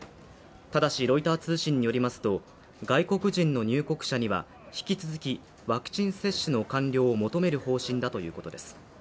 ただしロイター通信によりますと外国人の入国者には引き続きワクチン接種の完了を求める方針だということです